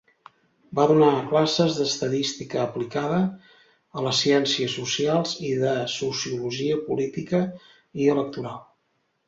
Va donar classes d'estadística aplicada a les ciències socials i de sociologia política i electoral.